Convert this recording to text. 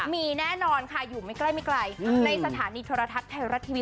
มีแน่นอนค่ะอยู่ไม่ใกล้ไม่ไกลในสถานีโทรทัศน์ไทยรัฐทีวี